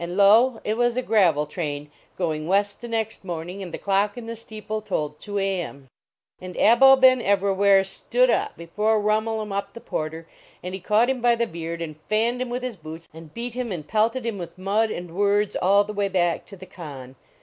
lo, it was a gravel train, going west the next morning, and the clock in the steeple tolled 2 A. M. And Abou Ben Evrawhair stood up before Rhumul em Uhp the Porter. And he caught him by the beard and fanned him with his boots, and beat him and pelted him with mud and words all the way back to the kahn.